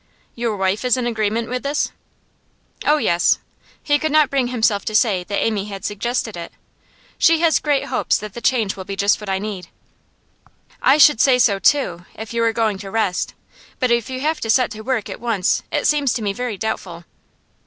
'Your wife is in agreement with this?' 'Oh yes.' He could not bring himself to say that Amy had suggested it. 'She has great hopes that the change will be just what I need.' 'I should say so too if you were going to rest. But if you have to set to work at once it seems to me very doubtful.